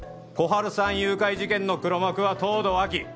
春さん誘拐事件の黒幕は東堂亜希！